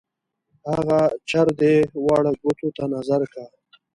هغه چر دی واړه ګوتو ته نظر کا.